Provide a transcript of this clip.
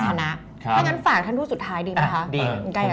ถ้านั้นฝากท่านทูบสุดท้ายดีมั้ยคะ